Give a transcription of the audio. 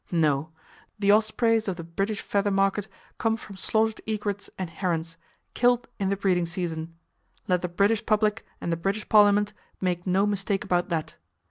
No; the "ospreys" of the British feather market come from slaughtered egrets and herons, killed in the breeding season. Let the British public and the British Parliament make no mistake about that.